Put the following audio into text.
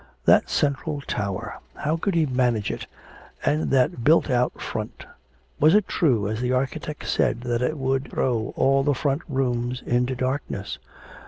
That central tower! how could he manage it and that built out front? Was it true, as the architect said, that it would throw all the front rooms into darkness?